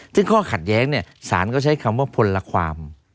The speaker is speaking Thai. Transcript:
ซึ่งข้อขัดแย้งศาลก็ใช้คำว่าพลละความ